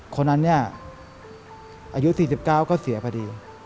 คนนั้นเนี่ยอายุ๔๙ก็เสียพอดี